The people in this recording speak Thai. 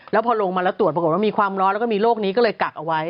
แล้วพอลงมาแล้วตรวจปรากฏว่ามีความร้อนแล้วก็มีโรคนี้ก็เลยกักเอาไว้